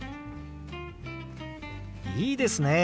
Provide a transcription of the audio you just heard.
いいですね。